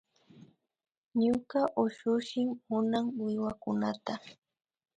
Ñuka ushushi munan wiwakunata